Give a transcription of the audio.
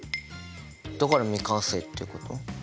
だから未完成ってこと？